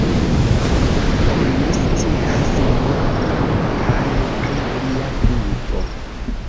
Oni scias nur malmultan pri lia vivo.